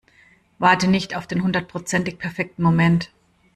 Warte nicht auf den hundertprozentig perfekten Moment.